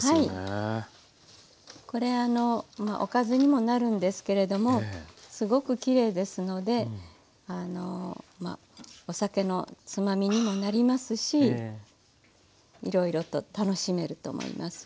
これおかずにもなるんですけれどもすごくきれいですのでお酒のつまみにもなりますしいろいろと楽しめると思います。